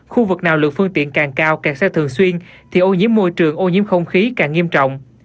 khu vực nào lượng phương tiện càng cao càng xa thường xuyên thì ô nhiễm môi trường ô nhiễm không khí càng nghiêm trọng